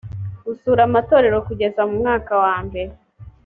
gusura amatorero kugeza mu mwaka wambere